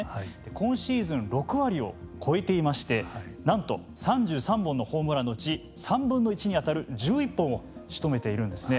今シーズン６割を超えていましてなんと３３本のホームランのうち３分の１にあたる１１本をしとめているんですね。